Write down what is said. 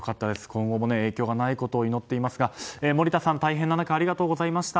今後も影響がないことを祈っておりますが森田さん、大変な中ありがとうございました。